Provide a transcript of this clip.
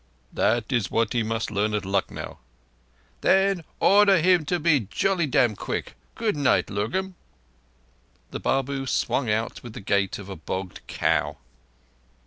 "That is what he must learn at Lucknow." "Then order him to be jolly dam' quick. Good night, Lurgan." The Babu swung out with the gait of a bogged cow.